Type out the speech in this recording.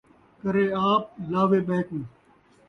کرے آپ ، لاوے ٻئے کوں